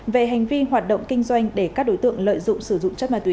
về hành vi hoạt động kinh doanh để các đối tượng lợi dụng sử dụng chất ma túy